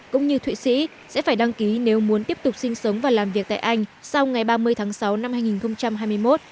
cũng như thụy sĩ sẽ phải đăng ký nếu muốn tiếp tục sinh sống và làm việc tại anh sau ngày ba mươi tháng sáu năm hai nghìn hai mươi một